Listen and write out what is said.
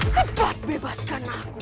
cepat bebaskan aku